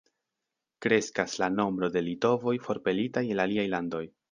Kreskas la nombro de litovoj forpelitaj el aliaj landoj.